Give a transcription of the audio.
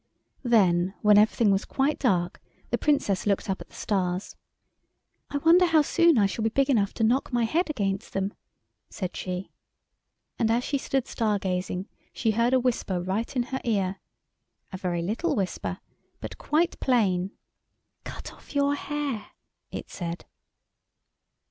Then when everything was quite dark the Princess looked up at the stars. "I wonder how soon I shall be big enough to knock my head against them," said she. And as she stood star gazing she heard a whisper right in her ear. A very little whisper, but quite plain. "Cut off your hair!" it said.